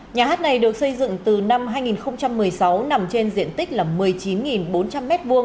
nhà hát này được xây dựng từ năm hai nghìn một mươi sáu nằm trên diện tích là một mươi chín bốn trăm linh m hai